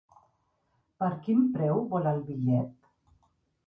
Per quin preu vol el bitllet?